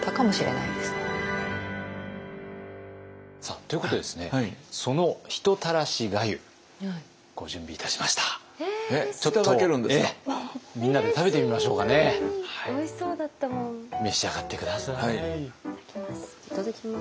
いただきます。